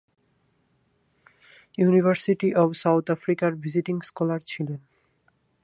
University of South আফ্রিকার visiting scholar ছিলেন।